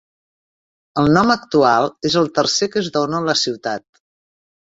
El nom actual és el tercer que es dona a la ciutat.